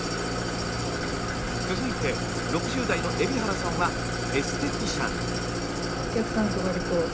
続いて６０代の海老原さんはエステティシャン。